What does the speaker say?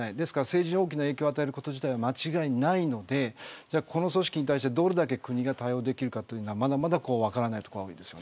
政治に大きな影響を与えることは間違いないのでこの組織に対して、どれだけ国が対応できるかはまだまだ分からないところが多いです。